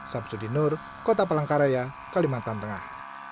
sabso dinur kota palangkaraya kalimantan tengah